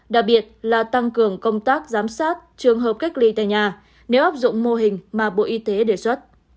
đặc biệt là tăng cường công tác giám sát trường hợp cách ly tại nhà nếu áp dụng mô hình mà bộ y tế đề xuất